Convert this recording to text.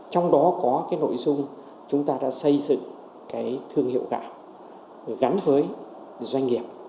trong đó có cái nội dung chúng ta đã xây dựng cái thương hiệu gạo gắn với doanh nghiệp